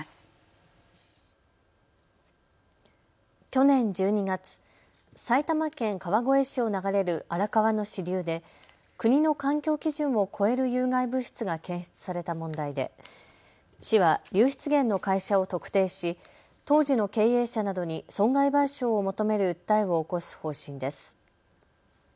去年１２月、埼玉県川越市を流れる荒川の支流で国の環境基準を超える有害物質が検出された問題で市は流出源の会社を特定し当時の経営者などに損害賠償を求める訴えを起こす方針です。